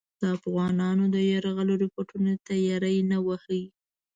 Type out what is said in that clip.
د افغانانو د یرغل رپوټونو ته یې ری نه واهه.